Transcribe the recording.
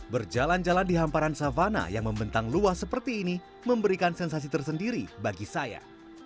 berjalan jalan di hamparan savana yang membentang luas seperti ini memberikan sensasi tersendiri bagi saya